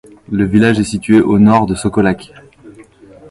Le village est situé au nord de Sokolac.